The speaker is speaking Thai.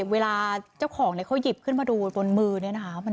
เวลาเจ้าของเขาหยิบขึ้นมาดูบนมือเนี่ยนะคะ